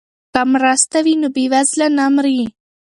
که مرسته وي نو بیوزله نه مري.